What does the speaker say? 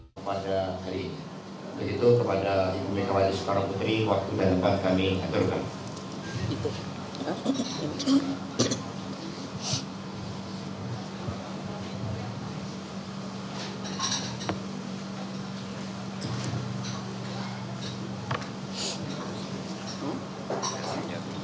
kepada ibu ibu kewajus para putri waktu dan tempat kami aturkan